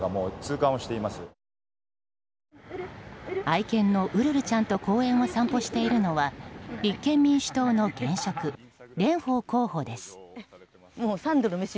愛犬のウルルちゃんと公園を散歩しているのは立憲民主党の現職蓮舫候補です。